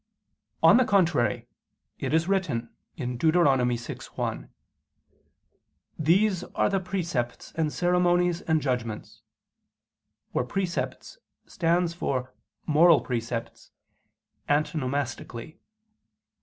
On the contrary, It is written (Deut. 6:1): "These are the precepts and ceremonies, and judgments": where "precepts" stands for "moral precepts" antonomastically.